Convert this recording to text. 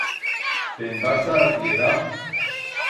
Te'n vas ta Artieda?